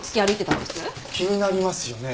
気になりますよね。